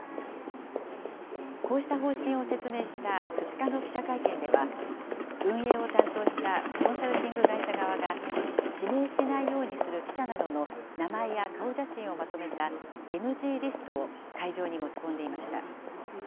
こうした方針を説明した２日の記者会見では、運営を担当したコンサルティング会社側が、指名しないようにする記者などの名前や顔写真をまとめたＮＧリストを会場に持ち込んでいました。